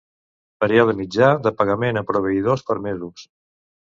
Període mitjà de pagament a proveïdors per mesos.